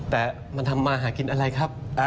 แต่มันทำมาหากินอะไรครับ